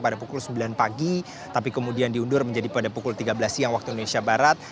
pada pukul sembilan pagi tapi kemudian diundur menjadi pada pukul tiga belas siang waktu indonesia barat